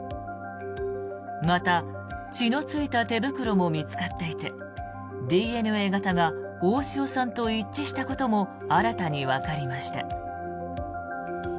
また、血のついた手袋も見つかっていてＤＮＡ型が大塩さんと一致したことも新たにわかりました。